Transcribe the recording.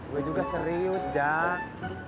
gue juga serius jak